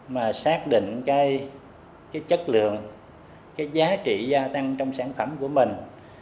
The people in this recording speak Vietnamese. mà xác định chất lượng giá trị gia tăng trong sản phẩm của mình